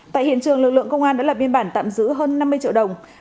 tại hiện trường lực lượng công an đã lập biên bản tạm giữ hơn năm mươi triệu đồng